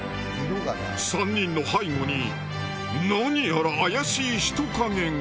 ３人の背後に何やら怪しい人影が。